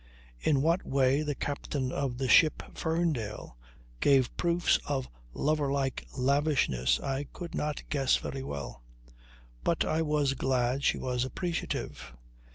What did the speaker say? In what way the captain of the ship Ferndale gave proofs of lover like lavishness I could not guess very well. But I was glad she was appreciative.